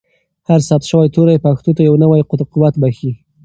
هر ثبت شوی توری پښتو ته یو نوی قوت بښي.